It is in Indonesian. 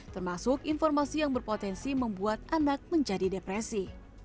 termasuk informasi yang berpotensi membuat anak menjadi depresi